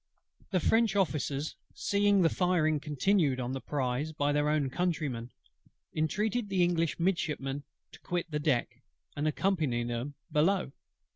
The French Officers, seeing the firing continued on the prize by their own countrymen, entreated the English Midshipmen to quit the deck, and accompany them below.